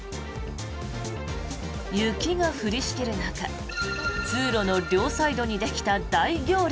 雪が降りしきる中通路の両サイドにできた大行列。